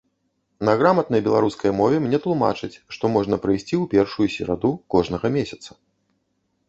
На граматнай беларускай мове мне тлумачаць, што можна прыйсці ў першую сераду кожнага месяца.